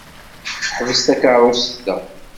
Ḥbes takeṛṛust da!